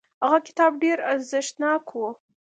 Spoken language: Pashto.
هغه کتاب ډیر ارزښتناک و.